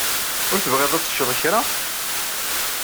Ur tebɣiḍ ad teččeḍ kra?